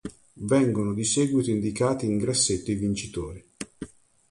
Vengono di seguito indicati in grassetto i vincitori.